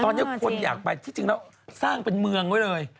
ตอนนี้คนอยากไปที่จริงแล้วสร้างเป็นเมืองไว้เลย